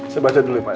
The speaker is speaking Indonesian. saya baca dulu pak